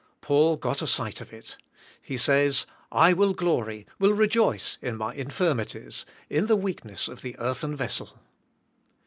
Paul got a sight of it; he says, *'I will glory, will rejoice in my infirmities, in the weakness of the earthen vessel."